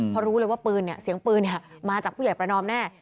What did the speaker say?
พอรู้เลยว่าเสียงปืนมาจากผู้ใหญ่ประนอมแน่